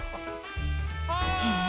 へえ。